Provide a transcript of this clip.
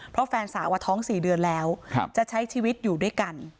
เพราะแฟนสาวท้อง๔เดือนแล้วจะใช้ชีวิตอยู่ด้วยกัน